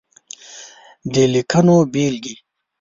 د ليکنو بېلګې :